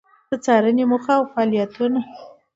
د څارنې موخه او فعالیتونه: